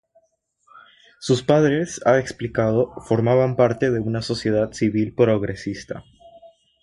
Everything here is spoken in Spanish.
Sus padres -ha explicado- formaban parte de una sociedad civil progresista.